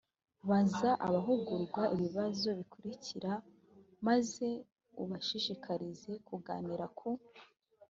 baza abahugurwa ibibazo bikurikira maze ubashishikarize kuganira ku